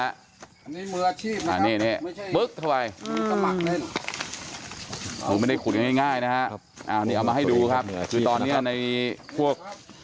อันนี้มืออาชีพนะครับไม่ได้ขุดง่ายนะฮะอันนี้เอามาให้ดูครับคือตอนนี้ในพวก